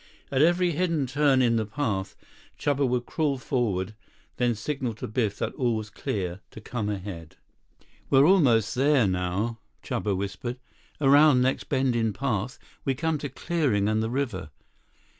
At every hidden turn in the path, Chuba would crawl forward, then signal to Biff that all was clear, to come ahead. "We're almost there now," Chuba whispered. "Around next bend in path, we come to clearing and the river.